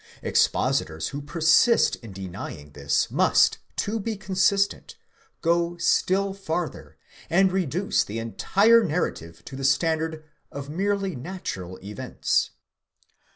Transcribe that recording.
Expositors who persist in denying this must, to be consistent, go still farther, and reduce the entire narrative to the standard of merely natural events.